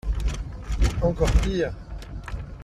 Encore pire !